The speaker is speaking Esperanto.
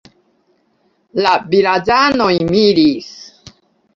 La vilaĝanoj miris.